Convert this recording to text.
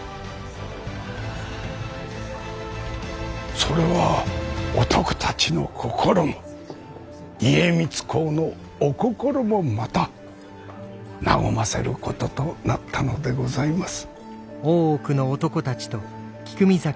それは男たちの心も家光公のお心もまた和ませることとなったのでございます。